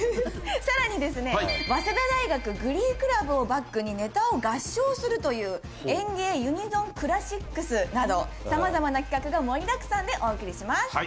さらにですね早稲田大学グリークラブをバックにネタを合唱するというＥＮＧＥＩユニゾンクラシックスなど様々な企画が盛りだくさんでお送りします。